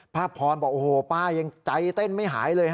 พระพรบอกโอ้โหป้ายังใจเต้นไม่หายเลย